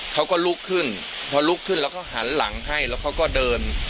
เขาก็ลุกขึ้นพอลุกขึ้นแล้วก็หันหลังให้แล้วเขาก็เดิน